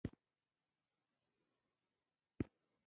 زیاترو تاریخي ځایونو کې د رومیانو نښې ښکارېدې.